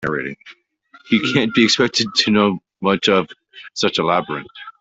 He can't be expected to know much of such a labyrinth.